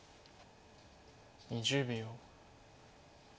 ２０秒。